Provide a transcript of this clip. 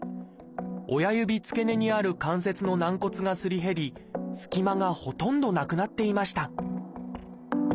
親指付け根にある関節の軟骨がすり減り隙間がほとんどなくなっていました。